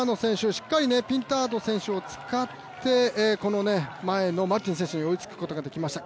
しっかりピンタード選手を使ってこの前のマルティン選手に追いつくことができました。